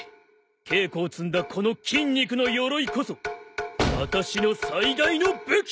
稽古を積んだこの筋肉のよろいこそ私の最大の武器！